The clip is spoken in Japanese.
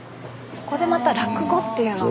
ここでまた落語っていうのが。